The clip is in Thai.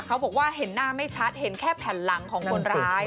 เขาบอกว่าเห็นหน้าไม่ชัดเห็นแค่แผ่นหลังของคนร้าย